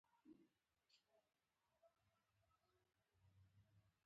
کچالو د وزن زیاتولو کې مرسته کوي.